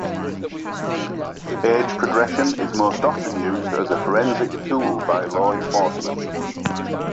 Age progression is most often used as a forensics tool by law enforcement.